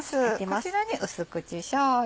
こちらに薄口しょうゆ。